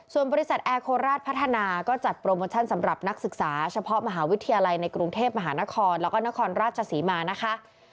ส่วนบริษัทแอร์โคราชพัฒนาก็จัดโปรโมชั่นสำหรับนักศึกษาเฉพาะมหาวิทยาลัยในกรุงเทพมหานครแล้วก็นครราชศรีมานะคะ